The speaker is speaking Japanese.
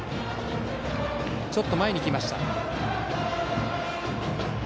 ちょっと前に来ました。